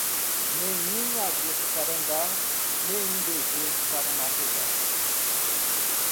Nem em agosto para andar, nem em dezembro para navegar.